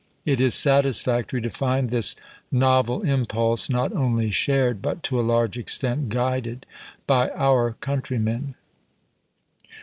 It is satisfactory to find this novel impulse not only shared, but to a large extent guided, by our countrymen.